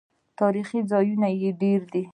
تاریخي ځایونه یې ډیر دي.